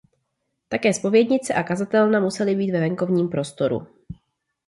Také zpovědnice a kazatelna musely být ve venkovním prostoru.